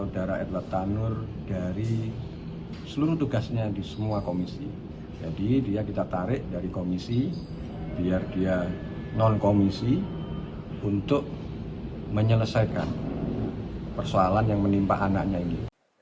dari komisi biar dia non komisi untuk menyelesaikan persoalan yang menimpa anaknya ini